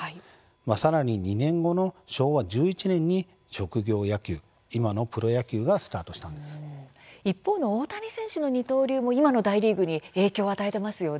さらに２年後の昭和１１年に職業野球今のプロ野球が一方の大谷選手の二刀流も今の大リーグに影響を与えていますよね。